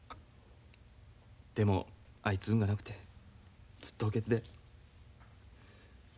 でもあいつ運がなくてずっと補欠で。